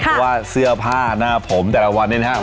เพราะว่าเสื้อผ้าหน้าผมแต่ละวันนี้นะครับ